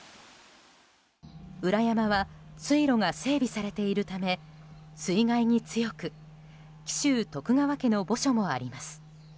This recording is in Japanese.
裏山は水路が整備されているため水害に強く紀州徳川家の墓所もあります。